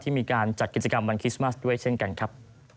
มีการจัดกิจกรรมวันคริสต์มัสด้วยเช่นกันครับ